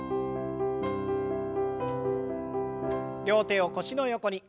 両手を腰の横に。